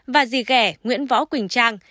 và dì ghẻ nguyễn võ quỳnh trang